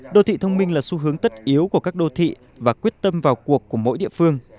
đô thị thông minh là xu hướng tất yếu của các đô thị và quyết tâm vào cuộc của mỗi địa phương